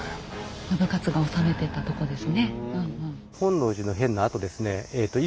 信雄が治めていたとこですね。